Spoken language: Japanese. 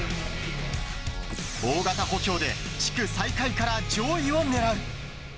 大型補強で地区最下位から上位を狙う。